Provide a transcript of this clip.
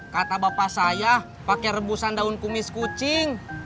kata bapak saya pakai rebusan daun kumis kucing